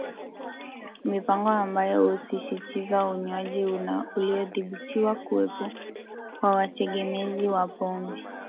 Mipango ambayo husisitiza unywaji uliodhibitiwa huwepo kwa wategemezi wa pombe